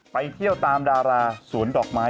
ไปเที่ยวตามดาราสวนดอกไม้